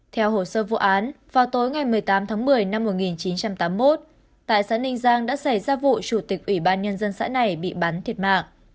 theo hồ sơ vụ án vào tối ngày một mươi tám tháng một mươi năm một nghìn chín trăm tám mươi một tại xã ninh giang đã xảy ra vụ chủ tịch ủy ban nhân dân xã này bị bắn thiệt mạng